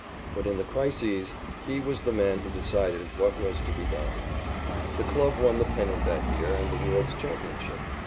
But in the crises he was the man who decided what was to be done. The club won the pennant that year and the world's championship.